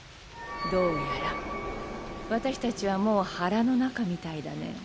どうやら私たちはもう腹の中みたいだね。